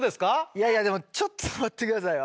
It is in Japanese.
いやいやでもちょっと待って下さい。